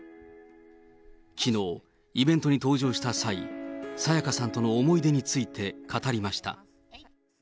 きのう、イベントに登場した際、沙也加さんとの思い出について語りました。